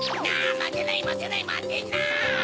まてないまてないまてない！